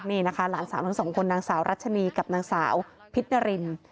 นี่นะคะหลานสาวทั้งสองคนนางสาวรัชนีกับนางสาวพิษนาริน